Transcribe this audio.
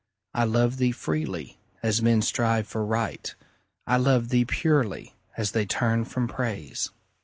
I love thee freely, as men strive for Right; I love thee purely, as they turn from Praise.